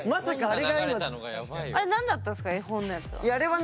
あれ何だったんですか絵本のやつは？